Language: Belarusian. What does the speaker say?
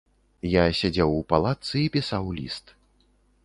Я сядзеў у палатцы і пісаў ліст.